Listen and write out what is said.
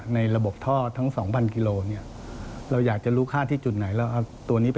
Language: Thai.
ในระบบท่อทั้ง๒๐๐๐กิโลเราอยากจะรู้ค่าที่จุดไหน